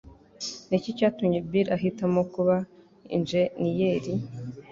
Niki cyatumye Bill ahitamo kuba injeniyeri?